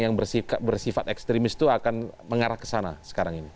yang bersifat ekstremis itu akan mengarah ke sana sekarang ini